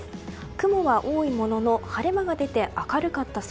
雲は多いものの、晴れ間が出て明るかった空。